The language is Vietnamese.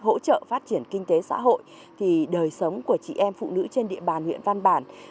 nhiều dự án hỗ trợ phát triển kinh tế xã hội thì đời sống của chị em phụ nữ trên địa bàn nguyễn văn bản